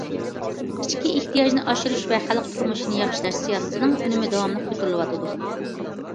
ئىچكى ئېھتىياجىنى ئاشۇرۇش ۋە خەلق تۇرمۇشىنى ياخشىلاش سىياسىتىنىڭ ئۈنۈمى داۋاملىق كۆرۈلۈۋاتىدۇ.